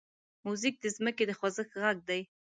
موزیک د ځمکې د خوځښت غږ دی.